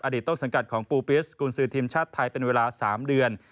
ต้นสังกัดของปูปิสกุลซื้อทีมชาติไทยเป็นเวลา๓เดือน